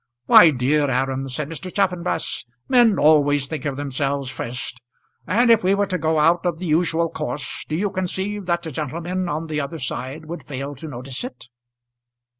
"My dear Aram," said Mr. Chaffanbrass, "men always think of themselves first. And if we were to go out of the usual course, do you conceive that the gentlemen on the other side would fail to notice it?"